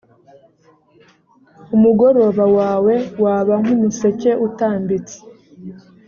umugoroba wawe waba nk umuseke utambitse